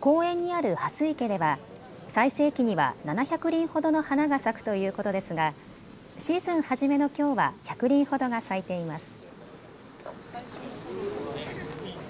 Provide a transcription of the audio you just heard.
公園にあるハス池では最盛期には７００輪ほどの花が咲くということですがシーズン初めのきょうは１００輪ほどが咲いています。